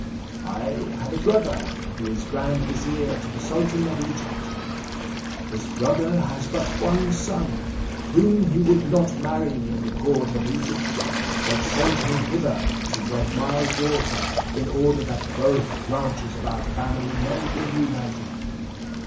I have a brother, who is grand vizier to the sultan of Egypt. This brother has but one son, whom he would not marry in the court of Egypt, but sent him hither to wed my daughter in order that both branches of our family may be united.